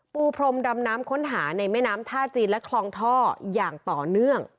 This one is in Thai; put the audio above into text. ปูพรมดำน้ำค้นหาในแม่น้ำท่าจีนและคลองท่ออย่างต่อเนื่อง